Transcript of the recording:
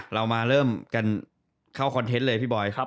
เรามาเริ่มกันเข้าคอนเทนต์เลยพี่บอย